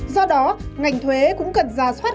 do đó ngành thuế cũng cần giả soát